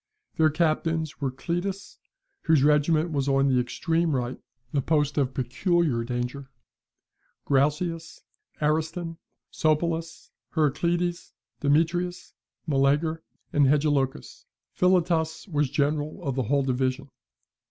Their captains were Cleitus (whose regiment was on the extreme right, the post of peculiar danger), Graucias, Ariston, Sopolis, Heracleides, Demetrias, Meleager, and Hegelochus. Philotas was general of the whole division.